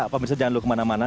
pemirsa jangan kemana mana